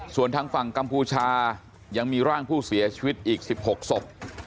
ส่วนทางฝั่งกัมพูชายังมีร่างผู้เสียชีวิตอีก๑๖ศพ